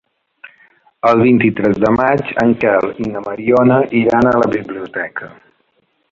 El vint-i-tres de maig en Quel i na Mariona iran a la biblioteca.